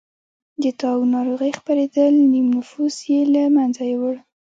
د طاعون ناروغۍ خپرېدل نییم نفوس یې له منځه یووړ.